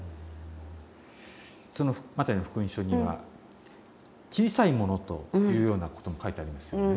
その「マタイの福音書」には「小さい者」というようなことも書いてありますよね。